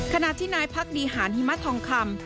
ขณะที่นายพักดีหารหิมะทองคำ